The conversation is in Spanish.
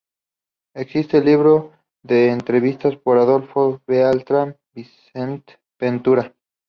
Existe el libro de entrevistas por Adolf Beltran, "Vicent Ventura.